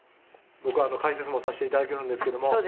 僕解説もさせて頂けるんですけども。